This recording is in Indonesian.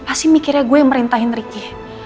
pasti mikirnya gue yang merintahin ricky